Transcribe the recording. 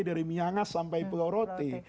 dari miangas sampai pulau roti